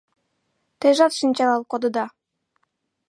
Тежат шинчалал кодыда!